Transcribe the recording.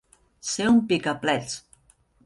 Ser un picaplets.